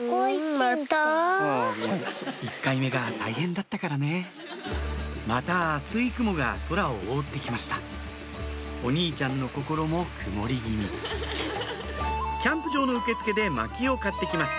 １回目が大変だったからねまた厚い雲が空を覆って来ましたお兄ちゃんの心も曇り気味キャンプ場の受付でマキを買って来ます